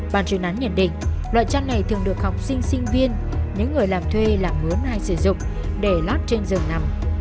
ban truyền án nhận định loại chăn này thường được học sinh sinh viên những người làm thuê làm mướn hay sử dụng để lót trên giường nằm